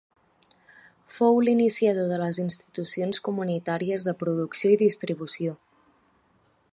Fou l'iniciador de les institucions comunitàries de producció i distribució.